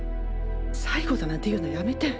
最後だなんて言うのはやめて。